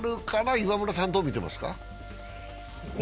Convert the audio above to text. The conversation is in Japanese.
岩村さん、どう見てますか？